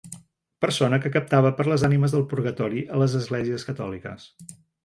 Persona que captava per les ànimes del purgatori a les esglésies catòliques.